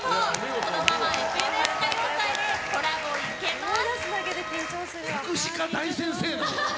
このまま「ＦＮＳ歌謡祭」でコラボいけます！